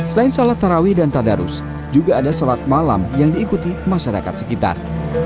selain salat tarawih dan tadarus juga ada sholat malam yang diikuti masyarakat sekitar